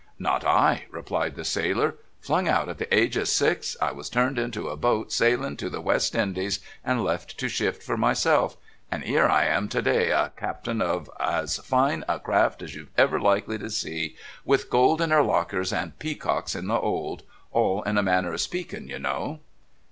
"Not I!" relied the sailor. "Flung out at the age of six, I was, turned into a boat sailing to the West Indies and left to shift for myself and 'ere I am to day a Captain of as fine a craft as you're ever likely to see, with gold in 'er lockers and peacocks in the 'old all in a manner of speaking, you know."